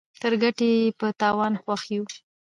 تر ګټه ئې په تاوان خوښ يو.